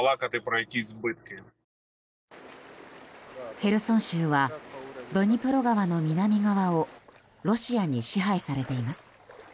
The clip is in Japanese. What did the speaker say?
ヘルソン州はドニプロ川の南側をロシアに支配されています。